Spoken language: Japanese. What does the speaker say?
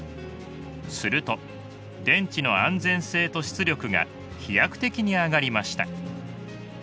すると電池の安全性と出力が飛躍的に上がりました。